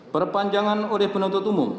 perpanjangan oleh penuntut umum